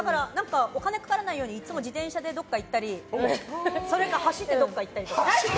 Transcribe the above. お金かからないようにいつも自転車でどっか行ったりそれか走ってどっか行ったり。